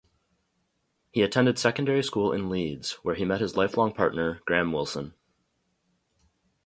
He attended secondary school in Leeds, where he met his lifelong partner Graham Wilson.